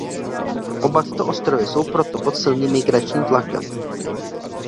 Oba tyto ostrova jsou proto pod silným migračním tlakem.